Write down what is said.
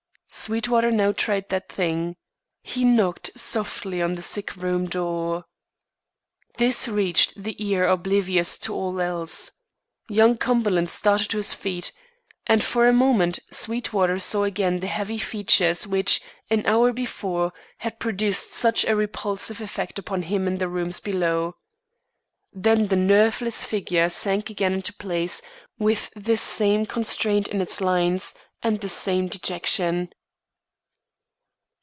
Sweetwater now tried that thing. He knocked softly on the sick room door. This reached the ear oblivious to all else. Young Cumberland started to his feet; and for a moment Sweetwater saw again the heavy features which, an hour before, had produced such a repulsive effect upon him in the rooms below. Then the nerveless figure sank again into place, with the same constraint in its lines, and the same dejection.